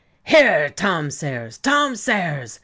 Here, Tom Sayers, Tom Sayers!"